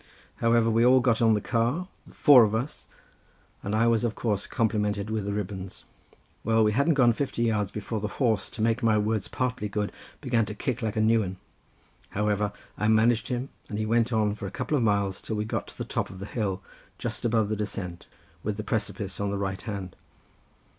However, we all got on the car—four of us, and I was of course complimented with the ribbons. Well, we hadn't gone fifty yards before the horse, to make my words partly good, began to kick like a new 'un. However, I managed him, and he went on for a couple of miles till we got to the top of the hill, just above the descent with the precipice on the right hand.